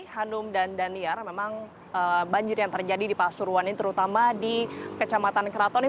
hanum dan daniar memang banjir yang terjadi di pasuruan ini terutama di kecamatan keraton ini